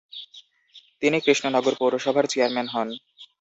তিনি কৃষ্ণনগর পৌরসভার চেয়ারম্যান হন।